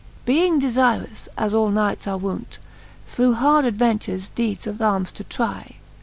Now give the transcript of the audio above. XXIX. Being defirous (as all knights are woont) Through hard adventures deeds of armes to try.